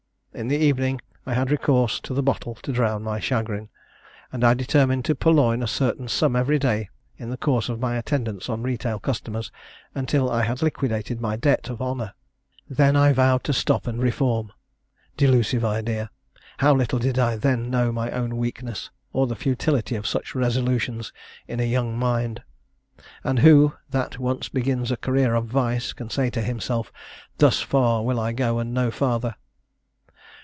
In the evening I had recourse to the bottle to drown my chagrin; and I determined to purloin a certain sum every day, in the course of my attendance on retail customers, until I had liquidated my debt of honour! Then I vowed to stop and reform. Delusive idea! how little did I then know my own weakness, or the futility of such resolutions in a young mind! And who, that once begins a career of vice, can say to himself, "Thus far will I go, and no farther?"